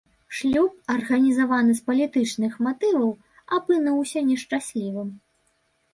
Шлюб, арганізаваны з палітычных матываў, апынуўся нешчаслівым.